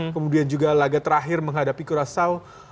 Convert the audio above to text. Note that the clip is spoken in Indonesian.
kemudian juga laga terakhir menghadapi kurasaw